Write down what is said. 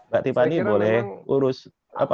pak tipani boleh urus apa